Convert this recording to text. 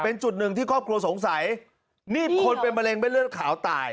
เป็นจุดหนึ่งที่ครอบครัวสงสัยนี่คนเป็นมะเร็งไม่เลือดขาวตาย